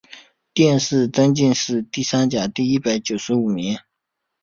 殿试登进士第三甲第一百九十五名。